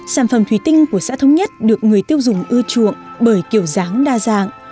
sản phẩm thủy tinh của xã thống nhất được người tiêu dùng ưa chuộng bởi kiểu dáng đa dạng